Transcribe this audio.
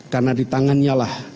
karena di tangannya lah